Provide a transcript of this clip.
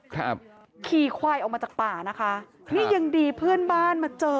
ครับขี่ควายออกมาจากป่านะคะนี่ยังดีเพื่อนบ้านมาเจอ